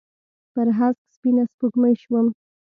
پر هسک سپینه سپوږمۍ شوم